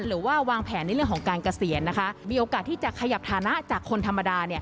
หรือว่าวางแผนในเรื่องของการเกษียณมีโอกาสที่จะขยับฐานะจากคนธรรมดา